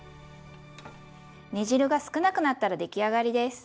煮汁が少なくなったら出来上がりです。